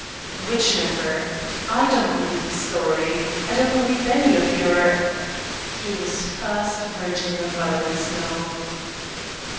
"Which member? I don't believe this story; I don't believe any of your " He was fast verging on violence now.